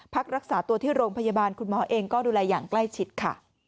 พักรักษาตัวที่โรงพยาบาลคุณหมอเองก็ดูแลอย่างใกล้ชิดค่ะ